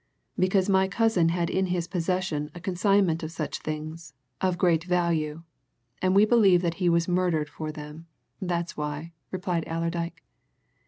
"Because my cousin had in his possession a consignment of such things, of great value, and we believe that he was murdered for them that's why," replied Allerdyke.